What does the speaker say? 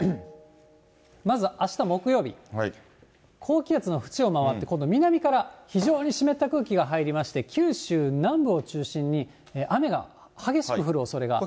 まずあした木曜日、高気圧の縁を回って、今度南から非常に湿った空気が入りまして、九州南部を中心に、雨が激しく降るおそれがあります。